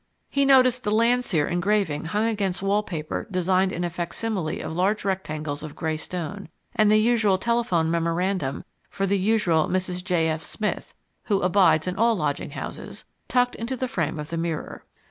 He noticed the Landseer engraving hung against wallpaper designed in facsimile of large rectangles of gray stone, and the usual telephone memorandum for the usual Mrs. J. F. Smith (who abides in all lodging houses) tucked into the frame of the mirror.